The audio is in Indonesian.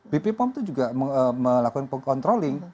bp pom itu juga melakukan controlling